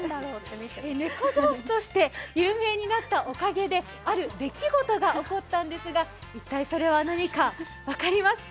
猫城主として有名になったおかげである出来事が起こったんですが一体それは何か分かりますか？